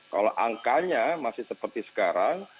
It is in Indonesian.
kalau angkanya masih seperti sekarang